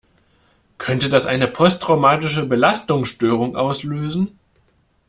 Könnte das eine posttraumatische Belastungsstörung auslösen?